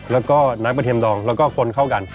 แล้วก็น้ำกระเทียดองแล้วก็คนเข้ากัน